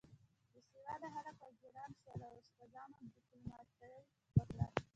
بې سواده خلک وزیران شول او اشپزانو دیپلوماتۍ وکړه.